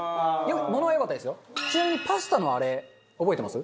ちなみにパスタのあれ覚えてます？